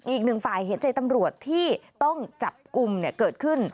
อีกหนึ่งฝ่ายเห็นใจตำรวจที่ต้องจับกลุ่มเกิดขึ้น